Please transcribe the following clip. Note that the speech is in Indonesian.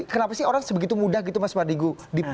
kenapa sih orang sebegitu mudah gitu mas mardigu